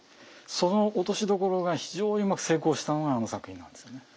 その落としどころが非常にうまく成功したのがあの作品なんですよね。